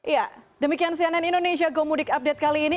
ya demikian cnn indonesia gomudik update kali ini